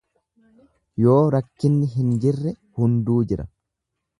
Yoo rakkinni hin jirre hunduu jira.